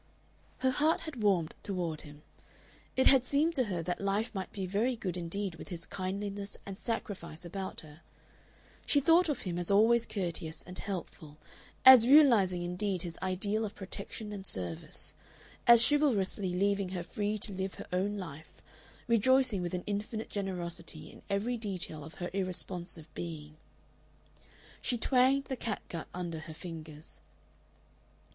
Her heart had warmed toward him. It had seemed to her that life might be very good indeed with his kindliness and sacrifice about her. She thought of him as always courteous and helpful, as realizing, indeed, his ideal of protection and service, as chivalrously leaving her free to live her own life, rejoicing with an infinite generosity in every detail of her irresponsive being. She twanged the catgut under her fingers.